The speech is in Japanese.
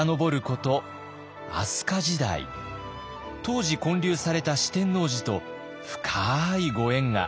当時建立された四天王寺と深いご縁が。